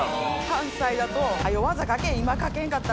関西だと。